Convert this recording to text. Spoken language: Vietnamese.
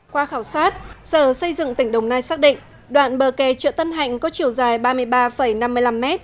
qua khảo sát sở xây dựng tỉnh đồng nai xác định đoạn bờ kè chợ tân hạnh có chiều dài ba mươi ba năm mươi năm m